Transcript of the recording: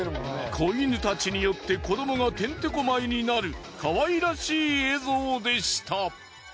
子犬たちによって子どもがてんてこ舞いになるかわいらしい映像でした。